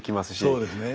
そうですね。